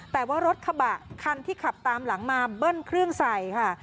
แต่ว่ารถกระบะคันที่ขับตามหลังมาเบิ้ลเครื่องใส่ค่ะ